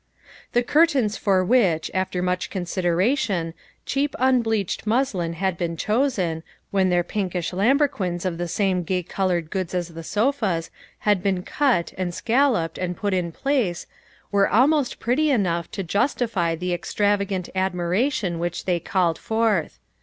The curtains for which, after much considera tion, cheap unbleached muslin had been chosen, when their pinkish lambrequins of the same gay flowered goods as the sofas, had been cut and scalloped, and put in place, were almost pretty enough to justify the extravagant admiration which they called forth.